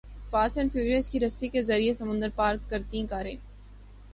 fast and furious کی رسی کے ذریعے سمندر پار کرتیں کاریں